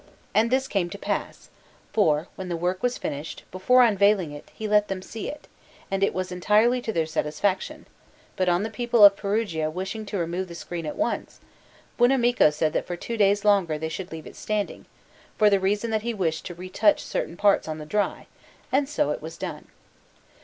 And this came to pass, for, when the work was finished, before unveiling it, he let them see it, and it was entirely to their satisfaction; but on the people of Perugia wishing to remove the screen at once, Buonamico said that for two days longer they should leave it standing, for the reason that he wished to retouch certain parts on the dry; and so it was done.